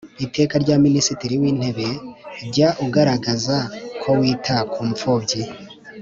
Iteka rya Minisitiri w Intebe Jya ugaragaza ko wita ku mfubyi